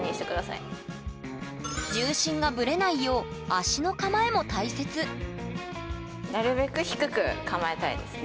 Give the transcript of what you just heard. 重心がぶれないよう足の構えも大切なるべく低く構えたいですね。